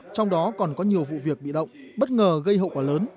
trong đó còn có nhiều vụ việc bị động bất ngờ gây hậu quả lớn